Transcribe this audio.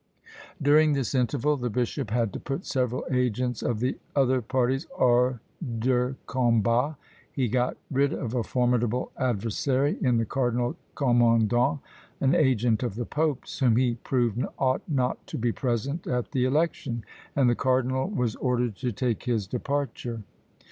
During this interval, the bishop had to put several agents of the other parties hors de combat. He got rid of a formidable adversary in the Cardinal Commendon, an agent of the pope's, whom he proved ought not to be present at the election, and the cardinal was ordered to take his departure.